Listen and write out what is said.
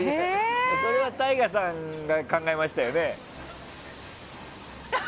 それはＴＡＩＧＡさんが考えましたよね？